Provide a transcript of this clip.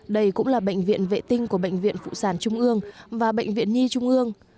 đây cũng là bệnh viện vệ tinh của bệnh viện phụ sản trung ương và bệnh viện nhi trung ương